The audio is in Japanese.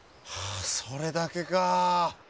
あそれだけか。